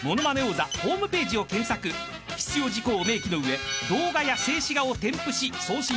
［必要事項を明記の上動画や静止画を添付し送信するだけ］